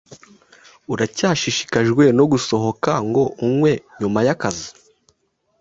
Uracyashishikajwe no gusohoka ngo unywe nyuma yakazi?